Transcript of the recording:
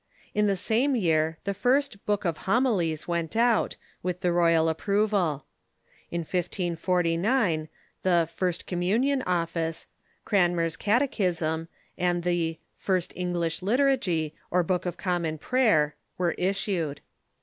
In the same year the first "Book of Homilies " went out, with the royal approval. In 1549 the "First Communion Office," "Cranmer's Cate chism," and the " First English Liturgy, or Book of Common Prayer," were issued.